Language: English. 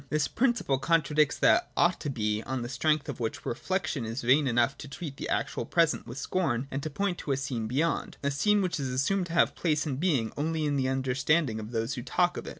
This principle contradicts that 'ought to be' on the strength of which ' reflection ' is vain enough to treat the actual present with scorn and to point to a scene beyond — a scene which is assumed to have place and being only in tl ^e understanding of those who talk of it.